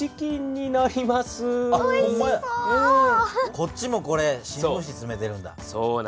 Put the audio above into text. こっちも新聞紙つめてるんだ。